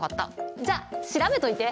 じゃあ調べといて！